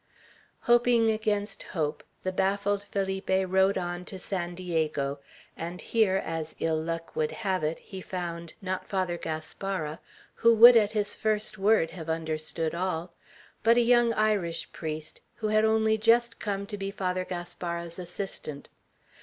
Hoping against hope, the baffled Felipe rode on to San Diego; and here, as ill luck would have it, he found, not Father Gaspara, who would at his first word have understood all, but a young Irish priest, who had only just come to be Father Gaspara's assistant.